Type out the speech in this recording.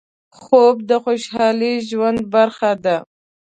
خوب د خوشحال ژوند برخه ده